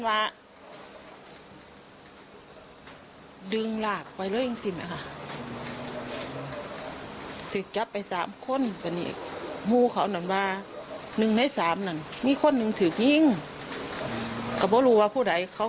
หนึ่งในสามนึงมีคนหนึ่งถือกยิ่งกับว่ารู้ว่าผู้ใดเขา